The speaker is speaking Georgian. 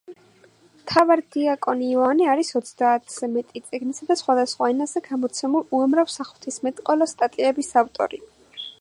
მთავარდიაკონი იოანე არის ოცდაათზე მეტი წიგნისა და სხვადასხვა ენაზე გამოცემულ უამრავ საღვთისმეტყველო სტატიების ავტორი.